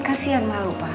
kasian malu pak